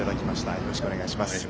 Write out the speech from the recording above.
よろしくお願いします。